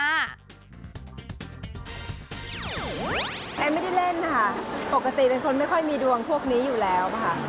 แอนไม่ได้เล่นค่ะปกติเป็นคนไม่ค่อยมีดวงพวกนี้อยู่แล้วค่ะ